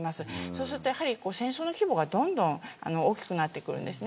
そうすると戦争の規模がどんどん大きくなってくるんです。